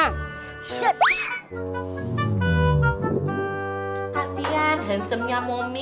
kasian handsome nya momi